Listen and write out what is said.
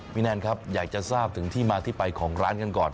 แนนครับอยากจะทราบถึงที่มาที่ไปของร้านกันก่อน